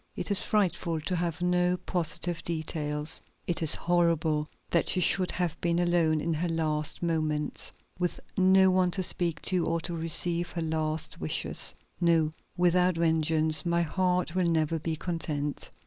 "It is frightful to have no positive details. It is horrible that she should have been alone in her last moments, with no one to speak to, or to receive her last wishes. No; without vengeance, my heart will never be content."